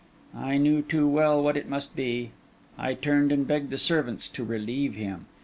I knew too well what it must be. I turned and begged the servants to relieve him.